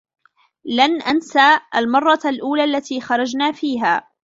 لن أنس المرّة الأولى التي خرجنا فيها.